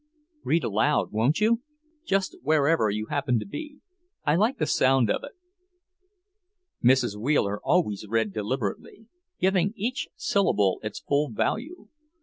"Read aloud, won't you? Just wherever you happen to be. I like the sound of it." Mrs. Wheeler always read deliberately, giving each syllable its full value.